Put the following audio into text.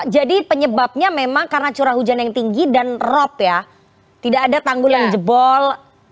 jadi penyebabnya memang karena curah hujan yang tinggi dan rob ya tidak ada tanggul yang jebol